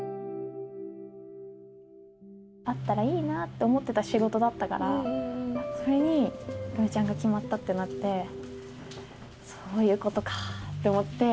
あったらいいなって思ってた仕事だったからそれに弘恵ちゃんが決まったってなってそういうことか！って思って。